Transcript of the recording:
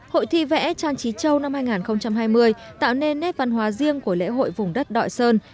hội thi vẽ trang trí châu năm hai nghìn hai mươi tạo nên nét văn hóa riêng của lễ hội vùng đất đội sơn